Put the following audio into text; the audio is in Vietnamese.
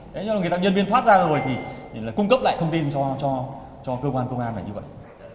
thế nên là khi nhân viên thoát ra rồi thì cung cấp lại thông tin cho cơ quan công an là như vậy